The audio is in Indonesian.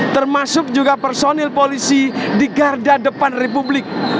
termasuk juga personil polisi di garda depan republik